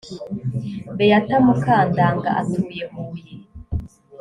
beata mukandanga atuye huye